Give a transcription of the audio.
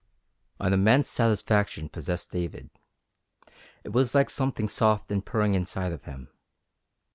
An immense satisfaction possessed David. It was like something soft and purring inside of him.